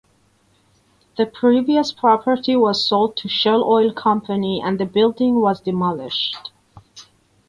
The previous property was sold to Shell Oil Company and the building was demolished.